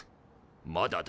まだだ。